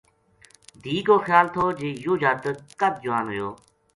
دھی کو خیال تھو جی یوہ جاتک کد جوان ہویو